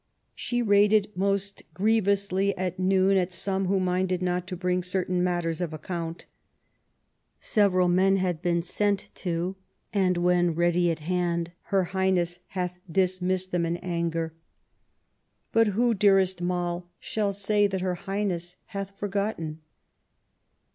She rated most grievously at noon at some who minded not to bring certain matters of account. Several men had been sent to, and when ready at hand. Her Highness hath dismissed them in anger. But who. 300 QUEEN ELIZABETH, dearest Moll, shall say that Her Highness hath forgotten